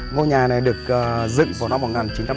ngôi nhà này được dựng vào năm một nghìn chín trăm linh một